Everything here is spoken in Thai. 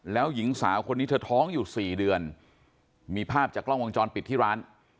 แล้วหญิงสาวคนนี้เธอท้องอยู่สี่เดือนมีภาพจากกล้องวงจรปิดที่ร้าน